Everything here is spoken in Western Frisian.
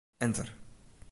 Enter.